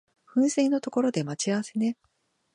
噴水の所で待ち合わせね